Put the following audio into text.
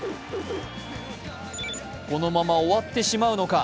このまま終わってしまうのか。